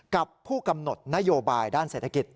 กับผู้กำหนดนโยบายด้านเศรษฐกิจ